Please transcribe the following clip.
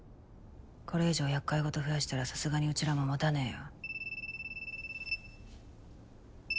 これ以上厄介事増やしたらさすがにうちらももたねぇよ。